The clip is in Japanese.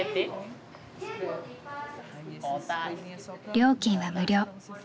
料金は無料。